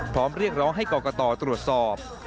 พร้อมเรียกร้องให้กรกตตรวจสอบ